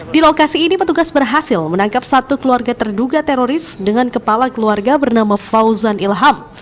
di lokasi ini petugas berhasil menangkap satu keluarga terduga teroris dengan kepala keluarga bernama fauzan ilham